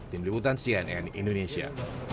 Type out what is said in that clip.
tim liputan cnn indonesia